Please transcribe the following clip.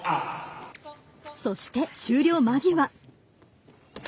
そして、終了間際。